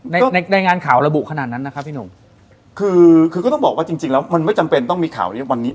ในในงานข่าวระบุขนาดนั้นนะครับพี่หนุ่มคือคือก็ต้องบอกว่าจริงจริงแล้วมันไม่จำเป็นต้องมีข่าวเรียกวันนี้